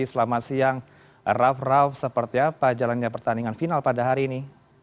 selamat siang raff raff seperti apa jalannya pertandingan final pada hari ini